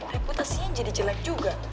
reputasinya jadi jelek juga